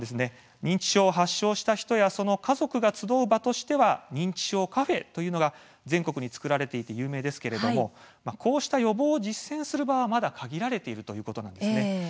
認知症を発症した人やその家族が集う場としては「認知症カフェ」というのが全国に作られていて有名ですがこうした予防を実践する場はまだ限られているということです。